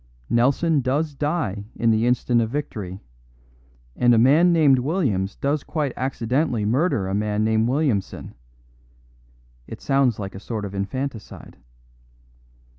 Nelson does die in the instant of victory; and a man named Williams does quite accidentally murder a man named Williamson; it sounds like a sort of infanticide.